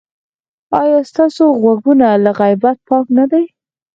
ایا ستاسو غوږونه له غیبت پاک نه دي؟